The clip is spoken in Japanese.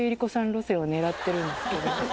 路線をねらってるんですけど。